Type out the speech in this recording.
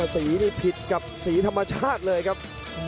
สีนี่ผิดกับสีธรรมชาติเลยครับ